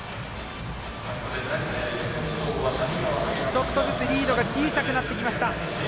ちょっとずつリードが小さくなってきました。